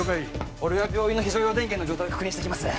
俺は病院の非常用電源の状態を確認してきます